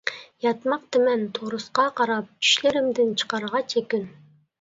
ياتماقتىمەن تورۇسقا قاراپ، چۈشلىرىمدىن چىقارغاچ يەكۈن.